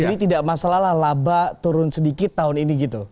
jadi tidak masalah lah laba turun sedikit tahun ini gitu